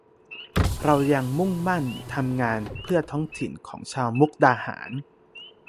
เรายังมุ่งมั่นทำงานเพื่อท้องถิ่นของชาวมุกดาหาร